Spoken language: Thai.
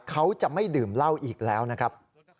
เขาจะไม่ดื่มเหล้าอีกแล้วนะครับ